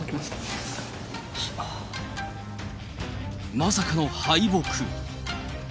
まさかの敗北。